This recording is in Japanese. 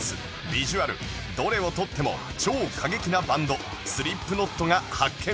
ビジュアルどれを取っても超過激なバンドスリップノットが発見